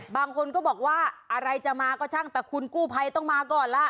บางคนก็บอกว่าอะไรจะมาก็ช่างแต่คุณกู้ภัยต้องมาก่อนล่ะ